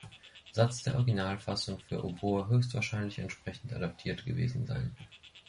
Satz der Originalfassung für Oboe höchstwahrscheinlich entsprechend adaptiert gewesen sein.